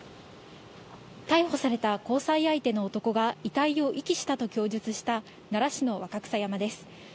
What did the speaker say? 逮捕された交際相手の男が遺体を遺棄したと供述した奈良市の若草山です。